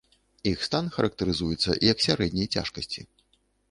Іх стан характарызуецца як сярэдняй цяжкасці.